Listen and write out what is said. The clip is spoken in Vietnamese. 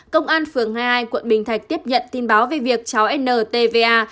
công an phường hai mươi hai quận bình thạch tiếp nhận tin báo về việc cháu ntva